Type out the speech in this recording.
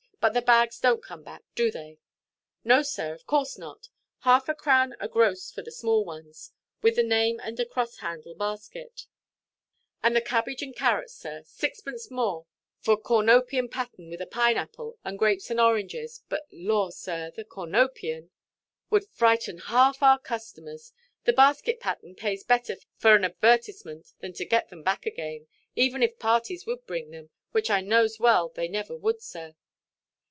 But the bags donʼt come back, do they?" "No, sir, of course not. Half–a–crown a gross for the small ones, with the name and the cross–handle basket, and the cabbage and carrots, sir. Sixpence more for cornopean–pattern with a pineapple, and grapes and oranges. But lor, sir, the cornopean" [cornucopiæ] "would frighten half our customers. The basket–pattern pays better for an advertisement than to get them back again, even if parties would bring them, which I knows well they never would, sir."